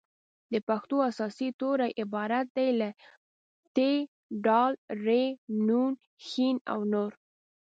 د پښتو اساسي توري عبارت دي له : ټ ډ ړ ڼ ښ او نور